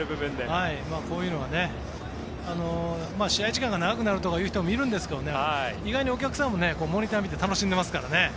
こういうのは試合時間が長くなるという人もいるんですけど意外にお客さんもモニターを見て楽しんでいますからね。